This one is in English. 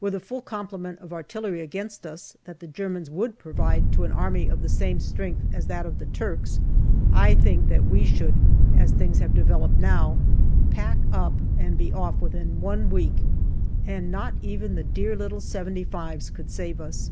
Were the full complement of artillery against us that the Germans would provide to an army of the same strength as that of the Turks, I think that we should, as things have developed now, pack up and be off within one week, and not even the dear little " 75 's " could save us.